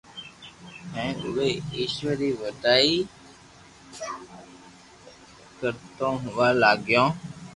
ھين او وي ايشور ري وڏائي رتو يوا لاگيو